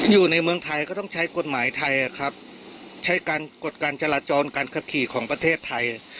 อยู่ในเมืองไทยก็ต้องใช้กฎหมายไทยครับใช้การกฎการจราจรการขับขี่ของประเทศไทย